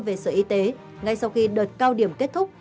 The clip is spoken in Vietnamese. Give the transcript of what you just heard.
về sở y tế ngay sau khi đợt cao điểm kết thúc